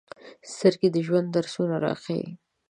سترګې د ژوند درسونه راښيي